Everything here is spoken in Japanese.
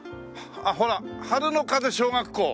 ほら春の風小学校！